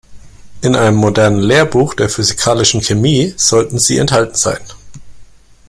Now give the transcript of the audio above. In einem modernen Lehrbuch der physikalischen Chemie sollten sie enthalten sein.